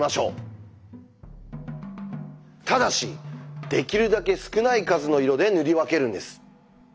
ただしできるだけ少ない数の色で塗り分けるんです。